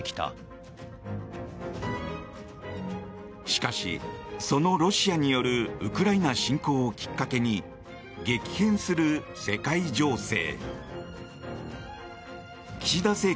しかし、そのロシアによるウクライナ侵攻をきっかけに激変する世界情勢。